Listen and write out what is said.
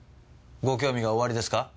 ご興味がおありですか？